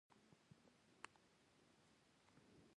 موټروان هارنونه وهل.